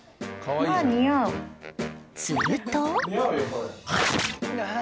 すると。